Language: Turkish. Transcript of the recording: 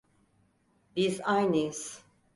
Biz aynıyız.